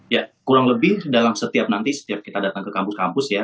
ya kurang lebih dalam setiap nanti setiap kita datang ke kampus kampus ya